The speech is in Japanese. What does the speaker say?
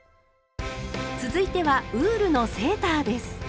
続いてはウールのセーターです。